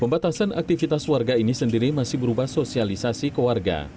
pembatasan aktivitas warga ini sendiri masih berubah sosialisasi ke warga